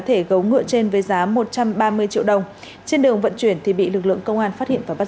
thể gấu ngựa trên với giá một trăm ba mươi triệu đồng trên đường vận chuyển thì bị lực lượng công an phát hiện và bắt